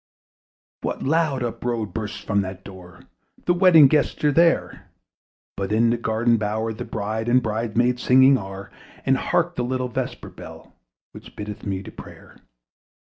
What loud uproar bursts from that door! The wedding guests are there: But in the garden bower the bride And bride maids singing are: And hark the little vesper bell, Which biddeth me to prayer!